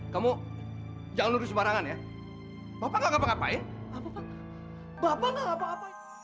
kamu jangan lulus barangan ya bapak apa apaan bapak apa apaan